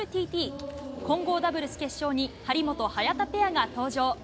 混合ダブルス決勝に、張本・早田ペアが登場。